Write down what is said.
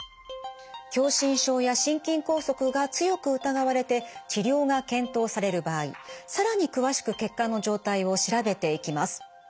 狭心症や心筋梗塞が強く疑われて治療が検討される場合更に詳しく血管の状態を調べていきます。